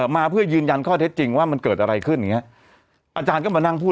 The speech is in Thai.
มาเพื่อยืนยันข้อเท็จจริงว่ามันเกิดอะไรขึ้นอย่างเงี้ยอาจารย์ก็มานั่งพูด